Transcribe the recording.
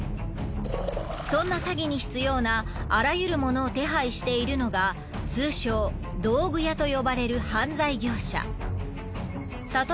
そんな詐欺に必要なあらゆるものを手配しているのが通称：道具屋と呼ばれる犯罪業者。